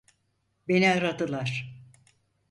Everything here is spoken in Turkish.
Beni aradılar.